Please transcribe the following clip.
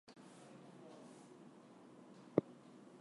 He served on the Western Front in World War One as a staff officer.